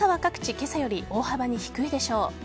今朝より大幅に低いでしょう。